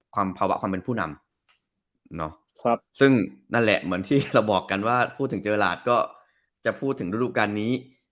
ภาวะความเป็นผู้นำซึ่งนั่นแหละเหมือนที่เราบอกกันว่าพูดถึงเจอราชก็จะพูดถึงฤดูการนี้